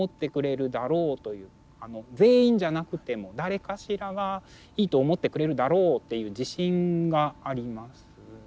全員じゃなくても誰かしらがいいと思ってくれるだろうっていう自信があります。